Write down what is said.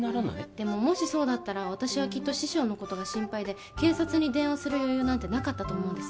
でももしそうだったら私はきっと師匠のことが心配で警察に電話する余裕なんてなかったと思うんです